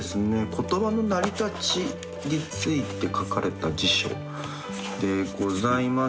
言葉の成り立ちについて書かれた辞書でございます。